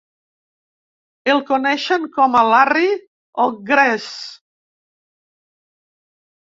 El coneixen com a "Larry" o "Grase".